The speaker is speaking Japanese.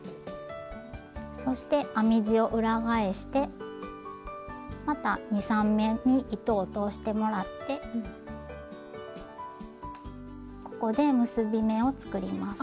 そして編み地を裏返してまた２３目に糸を通してもらってここで結び目を作ります。